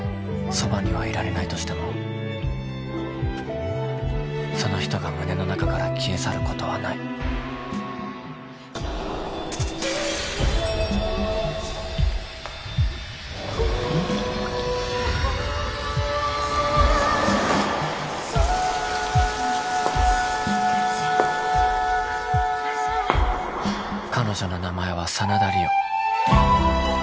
そばにはいられないとしてもその人が胸の中から消え去ることはない彼女の名前は真田梨央